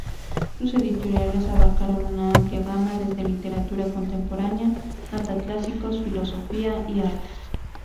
Sus editoriales abarcaron una amplia gama desde literatura contemporánea hasta clásicos, filosofía y artes.